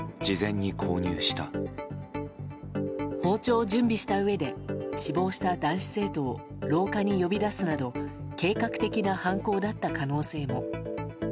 包丁を準備したうえで死亡した男子生徒を廊下に呼び出すなど計画的な犯行だった可能性も。